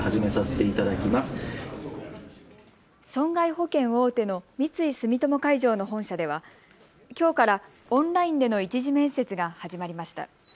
損害保険大手の三井住友海上の本社ではきょうからオンラインでの１次面接が始まりました。